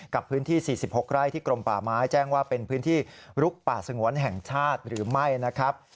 กับพื้นที่๔๖ไร่ที่กรมป่าไม้แจ้งว่าเป็นพื้นที่ลุกป่าสงวนแห่งชาติหรือไม่นะครับ